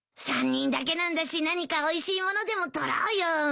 ３人だけなんだし何かおいしいものでも取ろうよ。